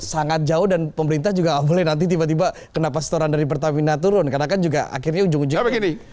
sangat jauh dan pemerintah juga nggak boleh nanti tiba tiba kenapa setoran dari pertamina turun karena kan juga akhirnya ujung ujungnya begini